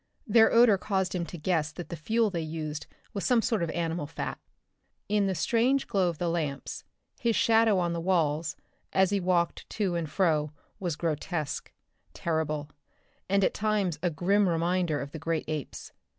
Their odor caused him to guess that the fuel they used was some sort of animal fat. In the strange glow from the lamps, his shadow on the walls, as he walked to and fro, was grotesque, terrible and at times a grim reminder of the great apes.